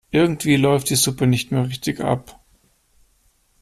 Irgendwie läuft die Suppe nicht mehr richtig ab.